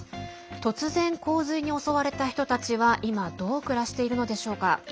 突然、洪水に襲われた人たちは今どう暮らしているのでしょうか。